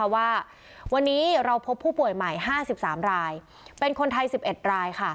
ว่าวันนี้เราพบผู้ป่วยใหม่๕๓รายเป็นคนไทย๑๑ราย